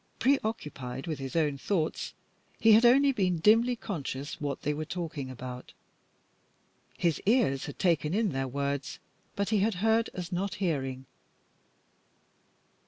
Preoccupied with his own thoughts, he had only been dimly conscious what they were talking about. His ears had taken in their words, but he had heard as not hearing.